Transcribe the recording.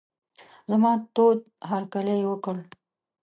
زما تود هرکلی یې وکړ.